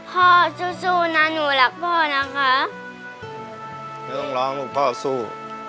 สู้สู้นะหนูรักพ่อนะคะไม่ต้องร้องลูกพ่อสู้